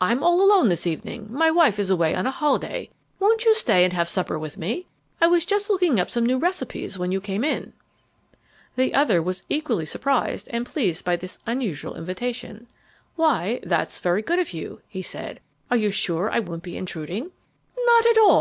I'm all alone this evening my wife is away on a holiday. Won't you stay and have supper with me? I was just looking up some new recipes when you came in." The other was equally surprised and pleased by this unusual invitation. "Why that's very good of you," he said. "Are you sure I won't be intruding?" "Not at all!"